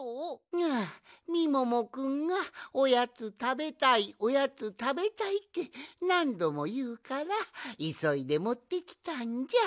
ああみももくんが「おやつたべたいおやつたべたい」ってなんどもいうからいそいでもってきたんじゃ。